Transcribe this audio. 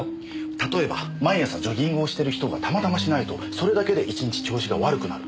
例えば毎朝ジョギングをしてる人がたまたましないとそれだけで１日調子が悪くなる。